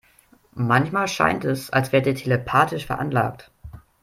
Manchmal scheint es, als wärt ihr telepathisch veranlagt.